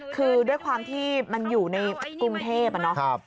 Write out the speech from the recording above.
คือด้วยความที่มันอยู่ในกรุงเทพอะเนาะ